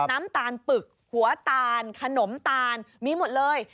น้ำตาลปึกหัวตาลขนมตาลมีหมดเลย